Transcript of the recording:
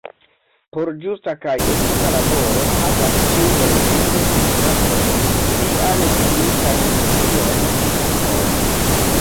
Por ĝusta kaj efika laboro havas ĉiu elemento, ĉiu parto, sian difinitan funkcion, taskon.